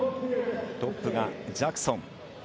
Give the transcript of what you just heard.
トップがジャクソン。